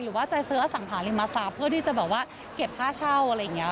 ว่าจะซื้ออสังหาริมทรัพย์เพื่อที่จะแบบว่าเก็บค่าเช่าอะไรอย่างนี้